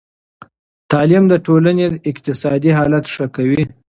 تعلیم د ټولنې اقتصادي حالت ښه کوي.